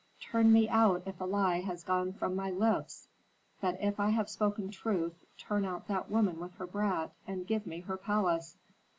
"Turn me out if a lie has gone from my lips. But if I have spoken truth, turn out that woman with her brat and give me her palace.